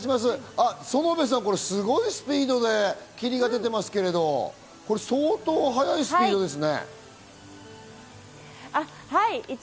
園部さん、すごいスピードで霧が出ていますけど、相当速いスピードですね。